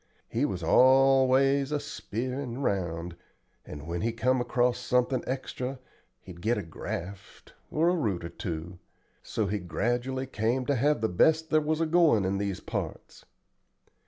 He was always a speerin' round, and when he come across something extra he'd get a graft, or a root or two. So he gradually came to have the best there was a goin' in these parts.